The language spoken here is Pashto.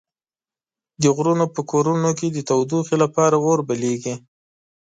د غرونو په کورونو کې د تودوخې لپاره اور بليږي.